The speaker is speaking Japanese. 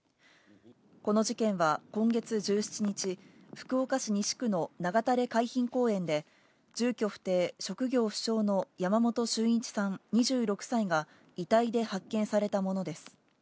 この事件は今月１７日、福岡市西区の長垂海浜公園で、住居不定、職業不詳の山本駿一さん２６歳が遺体で発見されたものです。